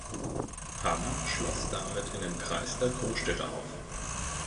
Hamm schloss damit in den Kreis der Großstädte auf.